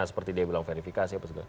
seperti dia bilang verifikasi